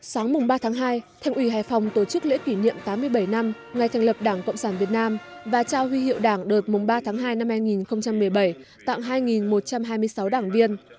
sáng mùng ba tháng hai thành ủy hải phòng tổ chức lễ kỷ niệm tám mươi bảy năm ngày thành lập đảng cộng sản việt nam và trao huy hiệu đảng đợt ba tháng hai năm hai nghìn một mươi bảy tặng hai một trăm hai mươi sáu đảng viên